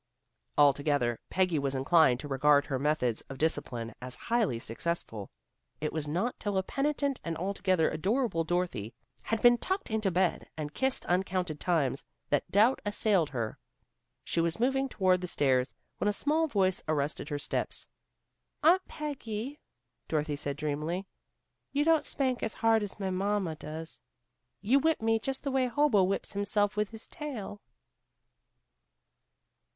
Altogether Peggy was inclined to regard her methods of discipline as highly successful. It was not till a penitent and altogether adorable Dorothy had been tucked into bed, and kissed uncounted times, that doubt assailed her. She was moving toward the stairs, when a small voice arrested her steps. "Aunt Peggy," Dorothy said dreamily, "you don't spank as hard as my mamma does. You whipped me just the way Hobo whips himself with his tail."